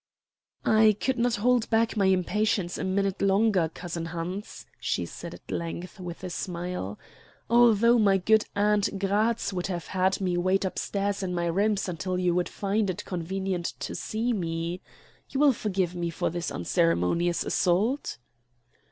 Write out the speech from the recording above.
"I could not hold back my impatience a minute longer, cousin Hans," she said at length, with a smile. "Although my good aunt Gratz would have had me wait upstairs in my rooms until you would find it convenient to see me. You will forgive me for this unceremonious assault?"